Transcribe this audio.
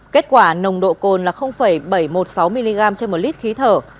kết quả nồng độ cồn là bảy trăm một mươi sáu mg trên một lít khí thở